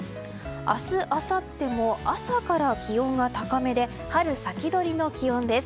明日、あさっても朝から気温が高めで春先取りの気温です。